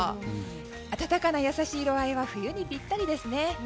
暖かな優しい色合いは冬にぴったりですね。